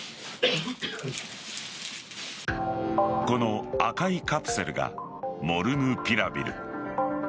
この赤いカプセルがモルヌピラビル。